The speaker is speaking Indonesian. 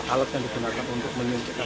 alat yang digunakan untuk menunjukkan